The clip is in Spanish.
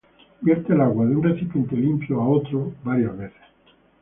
vierta el agua de un recipiente limpio a otro varias veces.